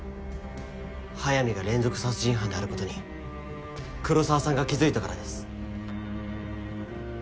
速水が連続殺人犯であることに黒澤さんが気づいたからです。